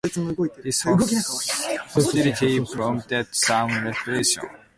This hostility prompted some repression.